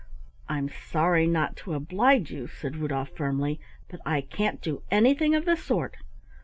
"I'm sorry not to oblige you," said Rudolf firmly, "but I can't do anything of the sort.